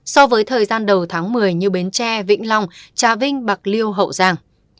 so với thời gian đầu tháng một mươi như bến tre vĩnh long trà vinh bạc liêu hậu giang